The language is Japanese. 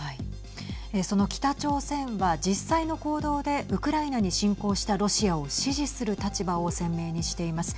その北朝鮮は実際の行動でウクライナに侵攻したロシアを支持する立場を鮮明にしています。